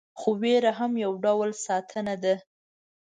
خو ویره هم یو ډول ساتنه ده.